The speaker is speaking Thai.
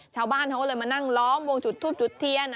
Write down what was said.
ชาวบ้านเขาก็เลยมานั่งล้อมวงจุดทูบจุดเทียน